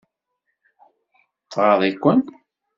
Tɣaḍ-iken?